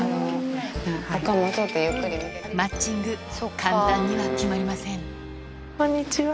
マッチング簡単には決まりませんこんにちは。